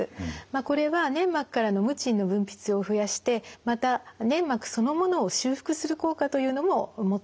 これは粘膜からのムチンの分泌を増やしてまた粘膜そのものを修復する効果というのも持っています。